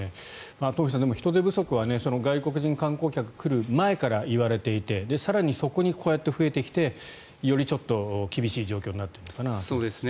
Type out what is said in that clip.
東輝さん、人手不足は外国人観光客が来る前から言われていて更にそこにこうやって増えてきてよりちょっと厳しい状況になっているのかなと。